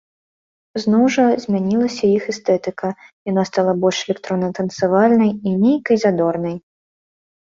Зноў жа, змянілася іх эстэтыка, яна стала больш электронна-танцавальнай і нейкай задорнай.